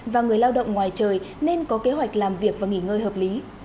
và người lao động ngoài trời nên có kế hoạch làm việc và nghỉ ngơi hợp lý